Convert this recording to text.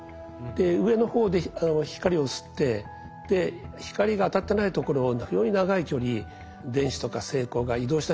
上の方で光を吸って光が当たってないところを非常に長い距離電子とか正孔が移動しなきゃいけないんですね。